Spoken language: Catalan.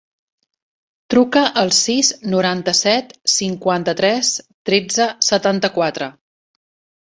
Truca al sis, noranta-set, cinquanta-tres, tretze, setanta-quatre.